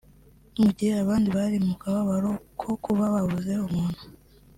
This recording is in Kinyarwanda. Mugihe abandi bari mu kababaro ko kuba babuze umuntu